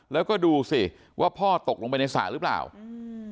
แล้วก็ดูสิว่าพ่อตกลงไปในสระหรือเปล่าอืม